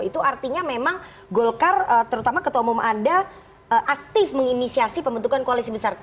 itu artinya memang golkar terutama ketua umum anda aktif menginisiasi pembentukan koalisi besar